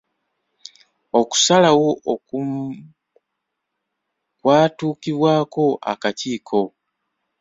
Okusalawo okumu kwatuukibwako akakiiko.